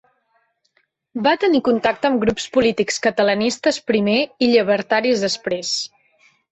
Va tenir contacte amb grups polítics catalanistes primer i llibertaris després.